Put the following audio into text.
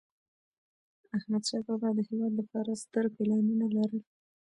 احمدشاه بابا د هېواد لپاره ستر پلانونه لرل.